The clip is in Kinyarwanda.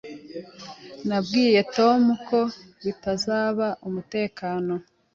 Nabwiye Tom ko bitazaba umutekano.